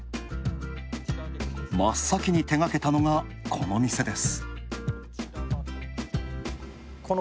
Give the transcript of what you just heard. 真っ先に手がけたのが、この店です。